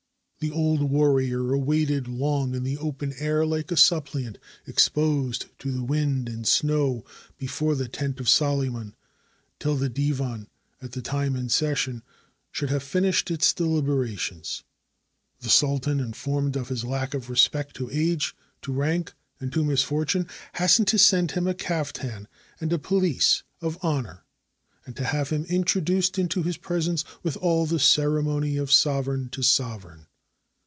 The old warrior awaited long in the open air like a suppliant, exposed to the wind and snow before the tent of Solyman, till the divan, at the time in session, should have finished its deliberations. The sultan, informed of this lack of respect to age, to rank, and to misfortune, hastened to send him a caftan and a pelisse of honor, and to have him introduced into his presence with all the ceremony of sovereign to sover eign.